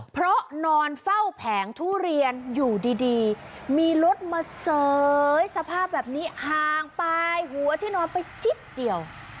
เพราะนอนเฝ้าแผงทุเรียนอยู่ดีมีรถมาเสยสภาพแบบนี้ห่างไปหัวที่นอนไปจิ๊บเดียว